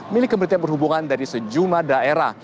milik kembali yang berhubungan dari sejumlah daerah